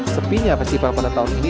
sepinya festival pada tahun ini